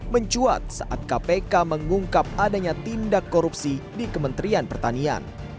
mencuat saat kpk mengungkap adanya tindak korupsi di kementerian pertanian